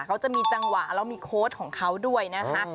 เขาจะมีจังหวะแล้วมีโค้ดของเขาด้วยนะคะ